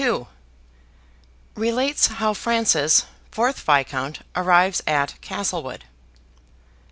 RELATES HOW FRANCIS, FOURTH VISCOUNT, ARRIVES AT CASTLEWOOD.